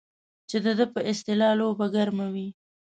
چې د ده په اصطلاح لوبه ګرمه وي.